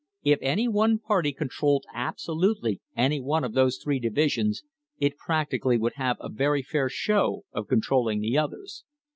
If any one party controlled absolutely any one of those three divisions, it practically would have a very fair show of controlling the others.